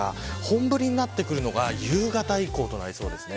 本降りになってくるのは夕方以降となりそうです。